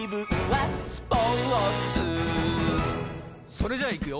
それじゃいくよ